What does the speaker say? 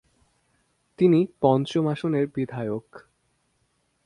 তিনি পঞ্চম আসনের বিধায়ক।